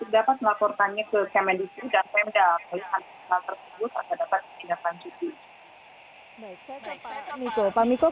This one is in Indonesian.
diharapkan untuk dapat melaporkannya ke kmd dan pmd